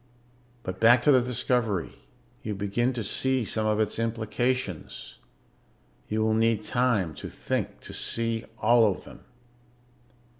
"But back to the discovery. You begin to see some of its implications. You will need time to think to see all of them.